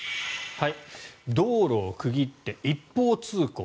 道路を区切って一方通行。